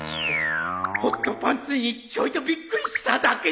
ホホットパンツにちょいとびっくりしただけじゃ。